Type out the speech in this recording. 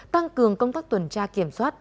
tăng cường công tác tuần tra kiểm soát